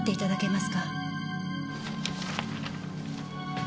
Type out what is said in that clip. ます